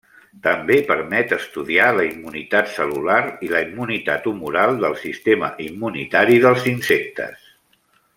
També permet estudiar la immunitat cel·lular i la immunitat humoral del sistema immunitari dels insectes.